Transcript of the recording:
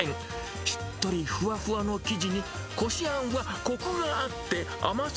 しっとりふわふわの生地に、こしあんはこくがあって甘さ